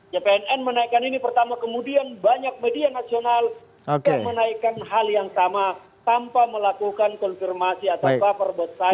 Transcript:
jpnn menaikkan ini pertama kemudian banyak media nasional yang menaikkan hal yang sama tanpa melakukan konfirmasi atau favorit